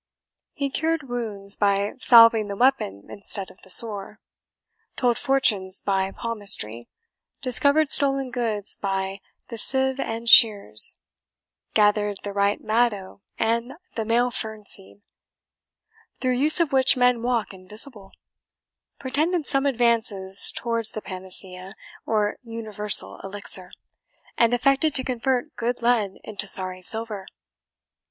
He cured wounds by salving the weapon instead of the sore; told fortunes by palmistry; discovered stolen goods by the sieve and shears; gathered the right maddow and the male fern seed, through use of which men walk invisible; pretended some advances towards the panacea, or universal elixir; and affected to convert good lead into sorry silver."